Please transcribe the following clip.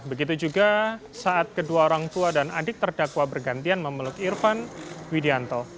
begitu juga saat kedua orang tua dan adik terdakwa bergantian memeluk irfan widianto